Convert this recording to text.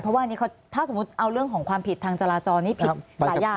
เพราะว่าอันนี้ถ้าสมมุติเอาเรื่องของความผิดทางจราจรนี่ผิดหลายอย่าง